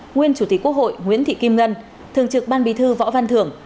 nguyên chủ tịch quốc hội nguyễn thị kim ngân thường trực ban bí thư võ văn thưởng